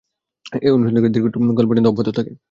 এই অনুসন্ধান দীর্ঘকাল পর্যন্ত অব্যাহত থাকে।